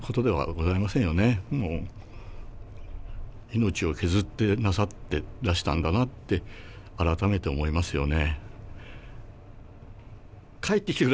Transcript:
命をけずってなさってらしたんだなって改めて思いますよね。